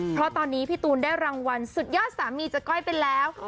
เพราะตอนนี้พี่ตูนได้รางวัลสุดยอดสามีจากก้อยไปแล้ว